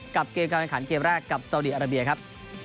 เกมการแข่งขันเกมแรกกับสาวดีอาราเบียครับ